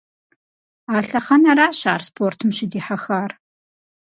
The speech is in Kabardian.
А лъэхъэнэращ ар спортым щыдихьэхар.